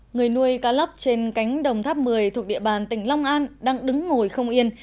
người nuôi cá lóc trên cánh đồng tháp một mươi thuộc địa bàn tỉnh long an đang đứng ngồi không yên